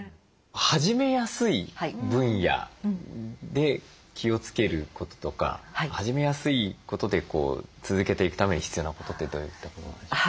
始めやすい分野で気をつけることとか始めやすいことで続けていくために必要なことってどういったことなんでしょうか？